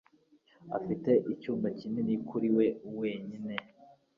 Afite icyumba kinini kuri we wenyine.